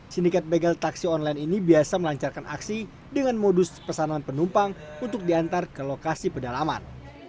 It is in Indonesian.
sindikat begal taksi online ini biasa melancarkan aksi dengan modus pesanan penumpang untuk diantar ke lokasi pedalaman